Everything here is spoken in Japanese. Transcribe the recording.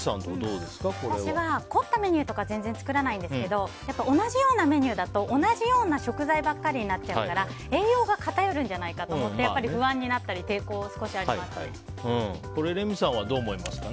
私は凝ったメニューとかは全然作らないんですけど同じようなメニューだと同じような食材ばかりになっちゃうから栄養が偏るんじゃないかと思って不安になったりレミさんはどう思いますか？